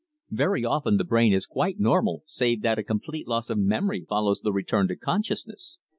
"Very often the brain is quite normal, save that a complete loss of memory follows the return to consciousness.